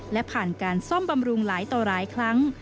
และผ่านการซ่อมบำรุงหลายต่อหลายครั้ง